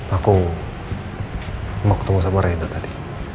aku mau ketemu sama reinhard tadi